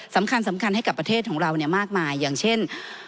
สำคัญให้กับประเทศของเรามากมายอย่างเช่น